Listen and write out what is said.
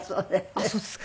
あっそうですか。